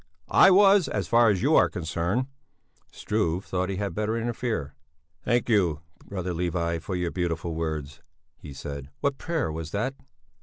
I was, as far as you are concerned!" Struve thought he had better interfere. "Thank you, brother Levi, for your beautiful words," he said. "What prayer was that?"